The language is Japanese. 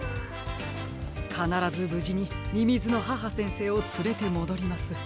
かならずぶじにみみずの母先生をつれてもどります。